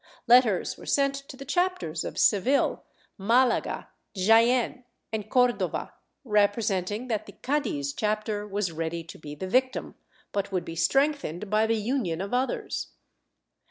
Letters were sent to the chapters of Seville, Malaga, Jaen and Cordova, representing that the Cadiz chapter was ready to be the victim, but would be strengthened by the union of others.